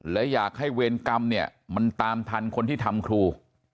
และอยากให้เวรกรรมเนี่ยมันตามทันคนที่ทำครู